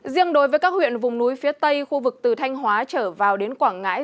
riêng đối với các huyện vùng núi phía tây khu vực từ thanh hóa trở vào đến quảng ngãi